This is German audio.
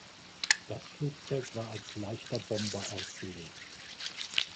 Das Flugzeug war als leichter Bomber ausgelegt.